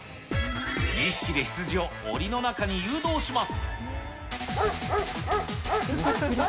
２匹で羊をおりの中に誘導します。